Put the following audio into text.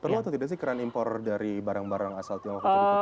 perlu atau tidak sih keran impor dari barang barang asal tiongkok